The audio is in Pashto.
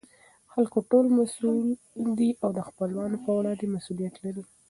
خلکو ټول مسئوول دي او دخپلوانو په وړاندې مسئولیت لري.